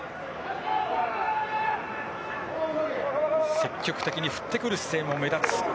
積極的に振ってくる姿勢も目立つ